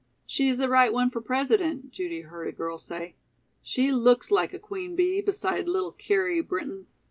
"She's the right one for president," Judy heard a girl say. "She looks like a queen bee beside little Carrie Brinton.